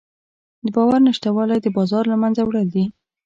د باور نشتوالی د بازار له منځه وړل دي.